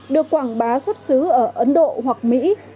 được quảng bá xuất xứ ở ấn độ hoặc mỹ